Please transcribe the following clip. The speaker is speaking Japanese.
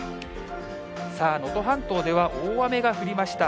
能登半島では、大雨が降りました。